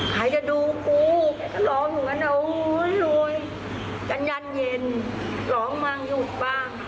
ใครจะดูกูอื้อยกันยันเย็นร้องมั่งอยู่ป่ะ